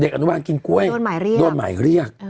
อนุบาลกินกล้วยโดนหมายเรียก